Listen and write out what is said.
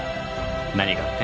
何がって？